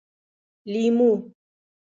🍋 لېمو